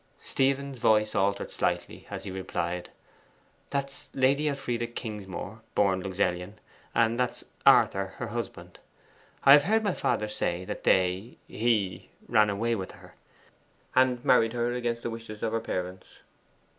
Stephen's voice altered slightly as he replied 'That's Lady Elfride Kingsmore born Luxellian, and that is Arthur, her husband. I have heard my father say that they he ran away with her, and married her against the wish of her parents.